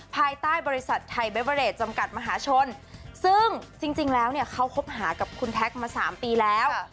ภายใต้บริษัทไทยเบเวอเดตจำกัดมหาชนซึ่งจริงแล้วเนี่ยเขาคบหากับคุณแท็กมา๓ปีแล้ว